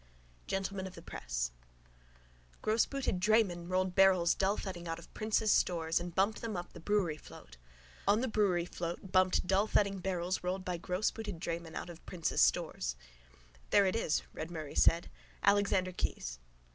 GENTLEMEN OF THE PRESS Grossbooted draymen rolled barrels dullthudding out of Prince's stores and bumped them up on the brewery float. On the brewery float bumped dullthudding barrels rolled by grossbooted draymen out of Prince's stores. —There it is, Red Murray said. Alexander Keyes.